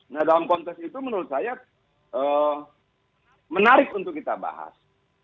nah dalam konteks itu menurut saya menarik untuk kita bahas